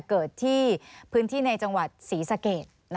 เกิดที่พื้นที่ในจังหวัดศรีสะเกด